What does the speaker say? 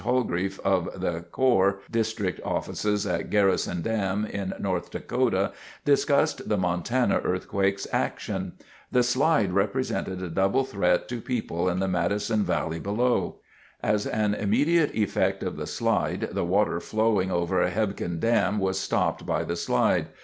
Holgrefe of the Corps district offices at Garrison Dam in North Dakota, discussed the Montana earthquake's action. The slide represented a double threat to people in the Madison Valley below. As an immediate effect of the slide, the water flowing over Hebgen Dam was stopped by the slide.